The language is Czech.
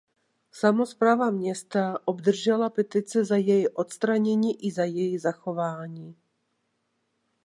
Samospráva města obdržela petice za její odstranění i za její zachování.